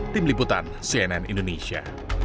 tim liputan cnn indonesia